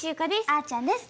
あーちゃんです。